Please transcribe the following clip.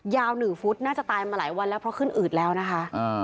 ยาว๑ฟุตน่าจะตายมาหลายวันแล้วเพราะขึ้นอืดแล้วนะคะ